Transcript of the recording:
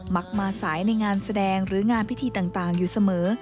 มักมาสายในงานแสดงหรืองานพิธีต่างอยู่เสมอ